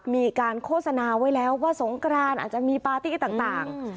มีการโฆษณาไว้แล้วว่าสงกรานอาจจะมีปาร์ตี้ต่าง